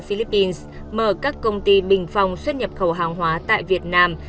philippines mở các công ty bình phong xuất nhập khẩu hàng hóa tại việt nam